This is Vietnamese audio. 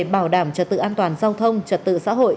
hãy chúc ta đời xa thôi